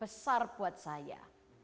besar buat saya